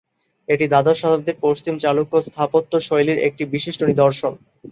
এটি দ্বাদশ শতাব্দীর পশ্চিম চালুক্য স্থাপত্যশৈলীর একটি বিশিষ্ট নিদর্শন।